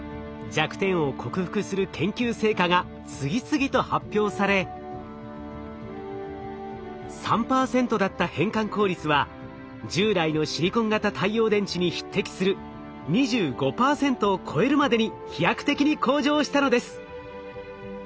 弱点を克服する研究成果が次々と発表され３％だった変換効率は従来のシリコン型太陽電池に匹敵する２５％を超えるまでに飛躍的に向上したのです。